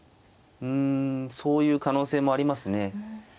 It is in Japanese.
うんそういう可能性もありますね。